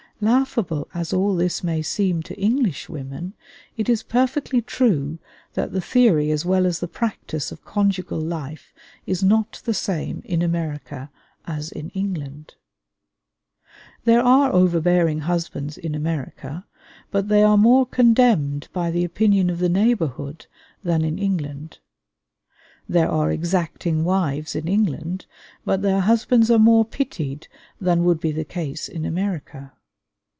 Laughable as all this may seem to English women, it is perfectly true that the theory as well as the practice of conjugal life is not the same in America as in England. There are overbearing husbands in America, but they are more condemned by the opinion of the neighborhood than in England. There are exacting wives in England, but their husbands are more pitied than would be the case in America.